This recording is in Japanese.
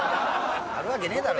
あるわけねえだろ！